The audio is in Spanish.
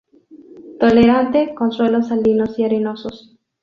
Tolerante con suelos salinos y arenosos.